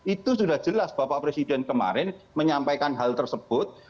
itu sudah jelas bapak presiden kemarin menyampaikan hal tersebut